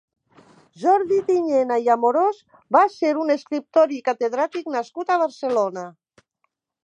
Jordi Tiñena i Amorós va ser un escriptor i catedràtic nascut a Barcelona.